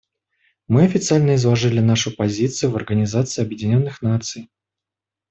Мы официально изложили нашу позицию в Организации Объединенных Наций.